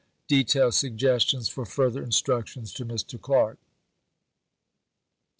[detailed suggestions for further instructions to Mr. Clark].